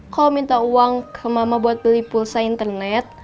kalau minta uang ke mama buat beli pulsa internet